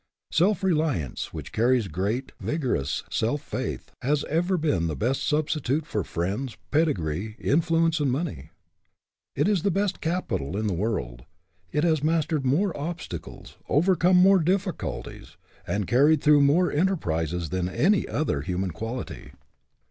Self reliance which carries great, vigorous self faith has ever been the best substitute for friends, pedigree, influence, and money. It is the best capital in the world; it has mastered more obstacles, overcome more difficulties, and carried through more enter prises than any other human quality.